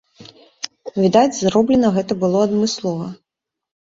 Відаць, зроблена гэта было адмыслова.